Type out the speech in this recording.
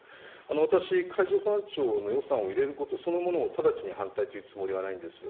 私、海上保安庁の予算を入れることそのものを直ちに反対というつもりはないんです。